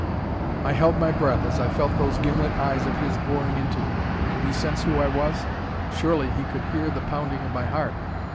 I held my breath as I felt those gimlet eyes of his boring into me. Would he sense who I was? Surely he could hear the pounding of my heart.